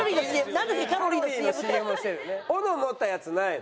おの持ったやつないの？